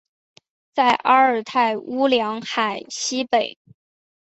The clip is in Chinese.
在阿尔泰乌梁海西北。